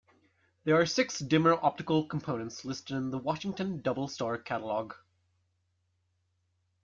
There are six dimmer optical components listed in the Washington Double Star Catalog.